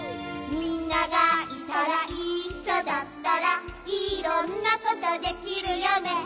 「みんながいたら一緒だったらいろんなことできるよね」